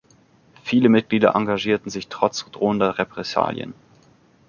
Viele Mitglieder engagierten sich trotz drohender Repressalien.